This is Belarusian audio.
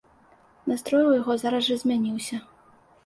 Настрой у яго зараз жа змяніўся.